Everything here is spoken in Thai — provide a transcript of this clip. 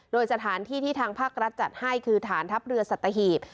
โดยสถานที่ที่ทางภาครัฐจัดให้คือฐานทัพเรือสัตหีบ